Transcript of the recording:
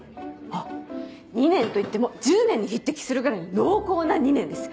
あ２年といっても１０年に匹敵するぐらい濃厚な２年です。